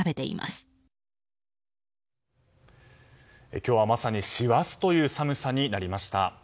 今日はまさに師走という寒さになりました。